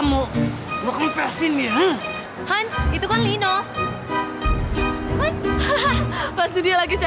nggak enggak enggak gue liza aja